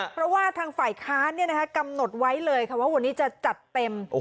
เพราะว่าทางฝ่ายค้านกำหนดไว้เลยค่ะว่าวันนี้จะจัดเต็ม